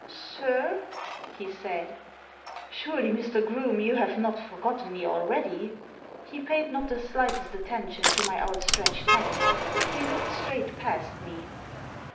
Sir?*' he said. " Surely, Mr. Groome, you have not forgotten me already?" He paid not the slightest attention to my out stretched hand. He looked straight past me.